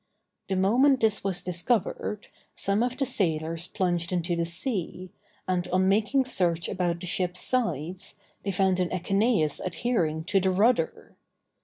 The moment this was discovered, some of the sailors plunged into the sea, and, on making search about the ship's sides, they found an echeneïs adhering to the rudder.